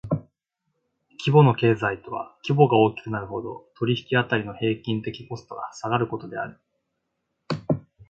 規模の経済とは規模が大きくなるほど、取引辺りの平均的コストが下がることである。